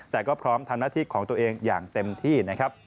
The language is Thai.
แต่ก็พร้อมทำหน้าที่ของตัวเองอย่างเต็มที่นะครับ